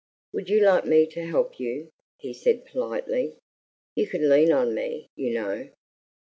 "Would you like me to help you?" he said politely. "You could lean on me, you know.